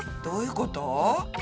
どういうこと？